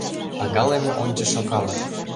Пагалыме ончышо калык...